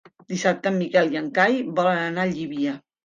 Dissabte en Miquel i en Cai volen anar a Llívia.